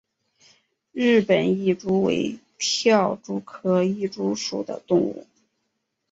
日本蚁蛛为跳蛛科蚁蛛属的动物。